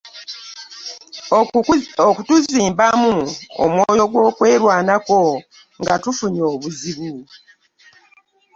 Okutuzimbamu omwoyo gw’okwerwanako nga tufunye obuzibu.